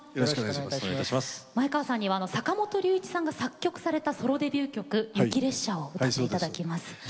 前川さんには坂本龍一さんが作曲されたソロデビュー曲「雪列車」を歌っていただきます。